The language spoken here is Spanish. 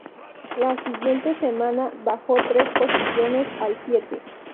La siguiente semana bajó tres posiciones al siete.